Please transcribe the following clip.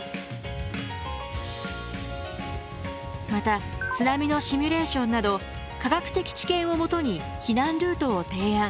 また津波のシミュレーションなど科学的知見を基に避難ルートを提案。